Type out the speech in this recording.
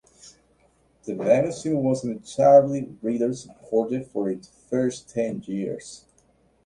The magazine was entirely reader-supported for its first ten years.